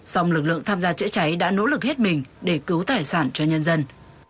song lực lượng tham gia chữa cháy đã nỗ lực hết mình để cứu tài sản cho nhân dân